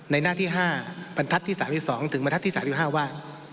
หน้าที่๕บรรทัศน์ที่๓๒ถึงบรรทัศนที่๓๕ว่า